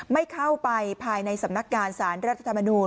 ไม่เข้าไปภายในสำนักการสารรัฐธรรมนูญ